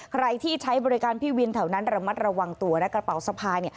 ใครที่ใช้บริการพี่วินแถวนั้นระมัดระวังตัวและกระเป๋าสะพาย